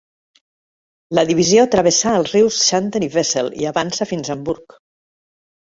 La divisió travessà els rius Xanten i Wesel i avança fins a Hamburg.